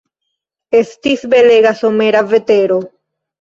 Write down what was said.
Estis belega, somera vetero.